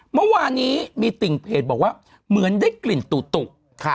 เมื่อวานนี้มีติ่งเพจบอกว่าเหมือนได้กลิ่นตุ